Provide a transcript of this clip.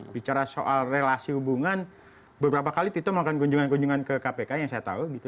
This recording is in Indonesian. bicara soal relasi hubungan beberapa kali tito menggunjungi ke kpk yang saya tahu